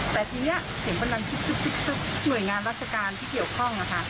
แต่ทีนี้เสียงกำลังทุกหน่วยงานรัฐการณ์ที่เกี่ยวข้อง